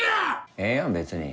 ええやん別に。